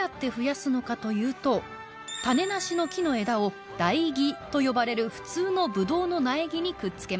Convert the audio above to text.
種なしの木の枝を「台木」と呼ばれる普通のぶどうの苗木にくっつけます。